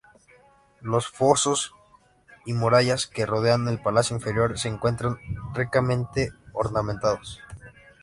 Los fosos y murallas que rodean el palacio inferior se encuentran ricamente ornamentados.